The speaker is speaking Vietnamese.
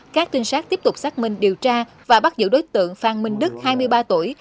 cơ quan cảnh sát điều tra và bắt giữ đối tượng phan minh đức hai mươi ba tuổi